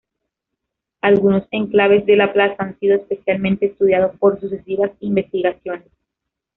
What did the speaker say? Algunos enclaves de la plaza han sido especialmente estudiados por sucesivas investigaciones.